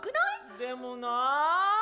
でもなあ。